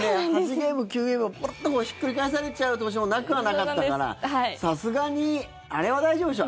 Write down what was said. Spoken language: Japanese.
ゲーム、９ゲームをポロっとひっくり返されちゃう年もなくはなかったからさすがにあれは大丈夫でしょ。